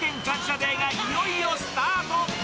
デーがいよいよスタート！